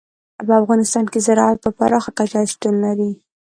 په افغانستان کې زراعت په پراخه کچه شتون لري.